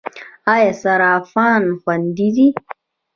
آیا صرافان خوندي دي؟